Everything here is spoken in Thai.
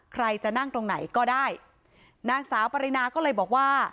ใครจะนั่งตรงไหนก็ได้นางสาวปรินาก็เลยบอกว่า